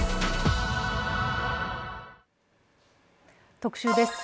特集です。